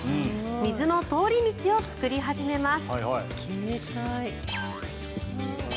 水の通り道を作り始めます。